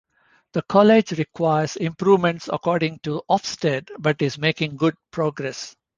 The college requires improvements according to Ofsted but is making good progress.